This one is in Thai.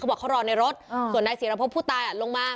เขาบอกเขารอในรถส่วนใดเสียรพพพูดตายอ่ะลงมา